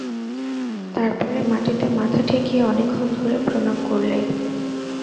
তার পরে মাটিতে মাথা ঠেকিয়ে অনেকক্ষণ ধরে প্রণাম করলে।